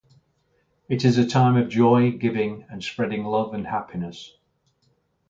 It is a time of joy, giving, and spreading love and happiness.